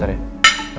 ma sebentar ya